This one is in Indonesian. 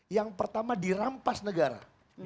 yang pertama dirampas negara